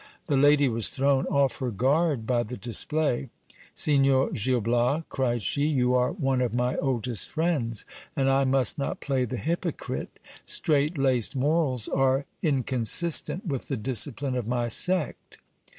The lady was thrown j off her guard by the display. Signor Gil Bias, cried she, you are one of my oldest friends, and I must not play the hypocrite : straitlaced morals are incon 428 GIL BLAS. sistent with the discipline of my sect.